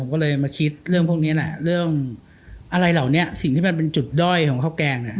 ก็เลยมาคิดเรื่องพวกนี้แหละเรื่องอะไรเหล่านี้สิ่งที่มันเป็นจุดด้อยของข้าวแกงเนี่ย